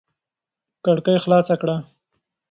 کړکۍ خلاصه کړه.